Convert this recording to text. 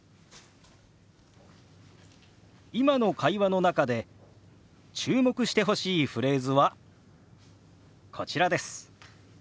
今の会話の中で注目してほしいフレーズはこちらです。